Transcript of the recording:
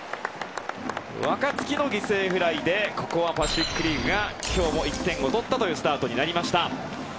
若月の犠牲フライでパシフィック・リーグが今日も１点を取ったというスタートになりました。